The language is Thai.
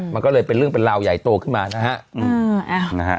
มันก็เลยเป็นเรื่องเป็นราวใหญ่โตขึ้นมานะฮะ